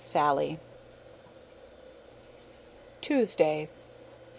SALLIE. Tuesday.